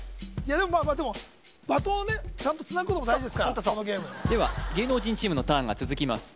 でもバトンをちゃんとつなぐことも大事ですからこのゲームでは芸能人チームのターンが続きます